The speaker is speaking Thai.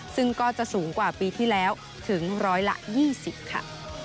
ซึ่งก็จะสูงกว่าปีที่แล้วถึงร้อยละ๒๐ค่ะ